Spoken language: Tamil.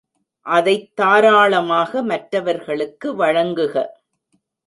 அதைத் தாராளமாக மற்றவர்களுக்கு வழங்குக.